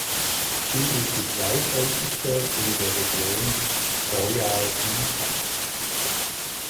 Sie ist die zweitälteste in der Region "Royal Deeside".